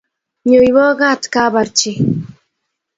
nyoiwakat kabar chi